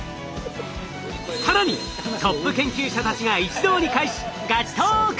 更にトップ研究者たちが一堂に会しガチトーク！